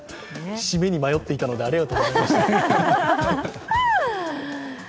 締めに迷っていたので、ありがとうございました。